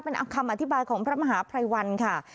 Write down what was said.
เป็นคำอธิบายของพระมหาภัยวันค่ะ